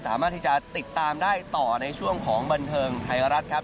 สามารถที่จะติดตามได้ต่อในช่วงของบันเทิงไทยรัฐครับ